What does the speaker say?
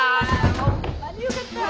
ホンマによかった！